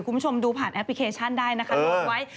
คุณผู้ชมดูผ่านแอปพลิเคชันได้นะครับ